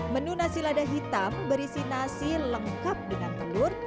menu nasi lada hitam berisi nasi lengkap dengan telur